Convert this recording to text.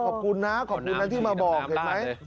ขอบคุณนะที่มาบอกเห็นไหม